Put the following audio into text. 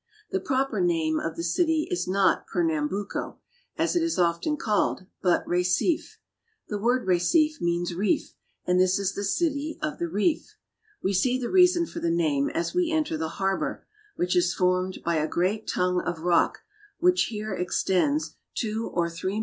The proper name of the city is not Pernambuco, as it is often called, but Recife. The word " Recife " means reef, and this is the city of the reef. We see the reason for the name as we enter the harbor, which is formed by a great tongue of rock which here extends two or three 292 BRAZIL.